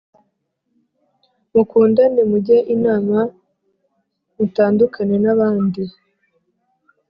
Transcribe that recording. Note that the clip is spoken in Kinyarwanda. mukundane mujye inama mutandukane n’abandi